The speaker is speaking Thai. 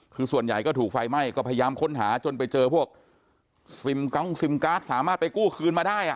คือส่วนใหญ่ก็ถูกไฟไหม้ก็พยายามค้นหาจนไปเจอพวกซิมกองซิมการ์ดสามารถไปกู้คืนมาได้